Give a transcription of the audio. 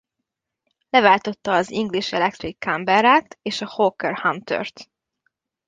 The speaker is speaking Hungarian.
Leváltotta az English Electric Canberra-t és a Hawker Huntert.